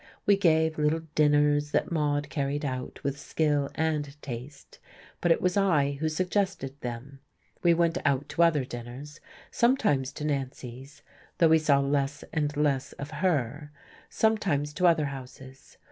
We gave little dinners that Maude carried out with skill and taste; but it was I who suggested them; we went out to other dinners, sometimes to Nancy's though we saw less and less of her sometimes to other houses.